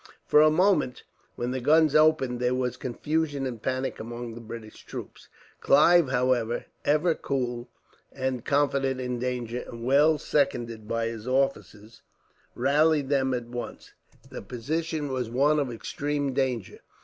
For a moment, when the guns opened, there was confusion and panic among the British troops. Clive, however, ever cool and confident in danger, and well seconded by his officers, rallied them at once. The position was one of extreme danger.